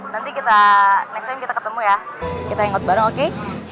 nanti kita next time kita ketemu ya kita hangout bareng oke